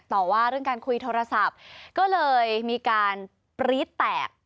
ต่อว่าเรื่องการคุยโทรศัพท์ก็เลยมีการปรี๊ดแตก